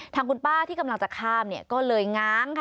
ทางคุณป้าที่กำลังจะข้ามเนี่ยก็เลยง้างค่ะ